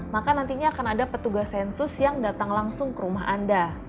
maka nantinya akan ada petugas sensus yang datang langsung ke rumah anda